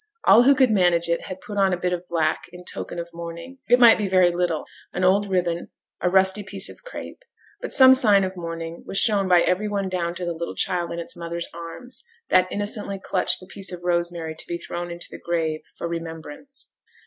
All who could manage it had put on a bit of black in token of mourning; it might be very little; an old ribbon, a rusty piece of crape; but some sign of mourning was shown by every one down to the little child in its mother's arms, that innocently clutched the piece of rosemary to be thrown into the grave 'for remembrance.'